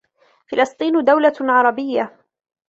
فلسطين دولة عربيّة